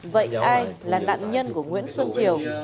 vậy ai là nạn nhân của nguyễn xuân triều